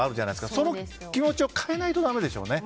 その気持ちを変えないとだめでしょうね。